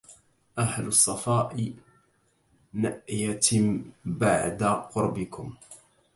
أهل الصفاء نأيتم بعد قربكم